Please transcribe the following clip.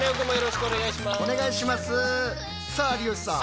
さあ有吉さん